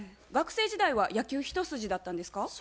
学生時代は野球一筋だったんですか？